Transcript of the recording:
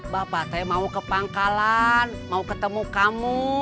bapak saya mau ke pangkalan mau ketemu kamu